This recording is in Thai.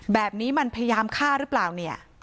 แบบนี้มันพยายามฆ่าหรือเปล่าเนี่ย